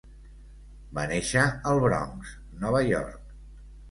Va néixer al Bronx, Nova York.